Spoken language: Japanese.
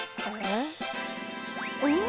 うん？